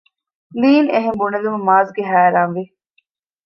ލީން އެހެން ބުނެލުމުން މާޒްގެ ހައިރާންވި